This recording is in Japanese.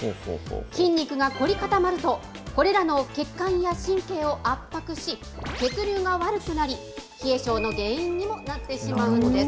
筋肉が凝り固まると、これらの血管や神経を圧迫し、血流が悪くなり、冷え性の原因にもなってしまうんです。